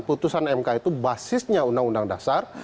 putusan mk itu basisnya undang undang dasar